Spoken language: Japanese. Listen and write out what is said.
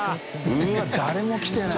Δ誰も来てない。